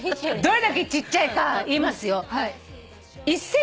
どれだけちっちゃいか言いますよ。